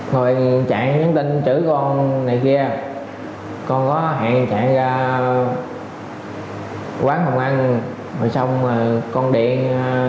ngồi chạy nhắn tin chửi con này kia con có hẹn chạy ra quán công an ngồi xong con điện